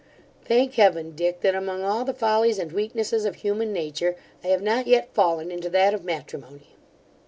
Thank heaven, Dick, that among all the follies and weaknesses of human nature, I have not yet fallen into that of matrimony.